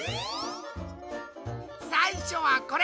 さいしょはこれ！